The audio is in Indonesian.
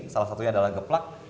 salah satunya adalah geplak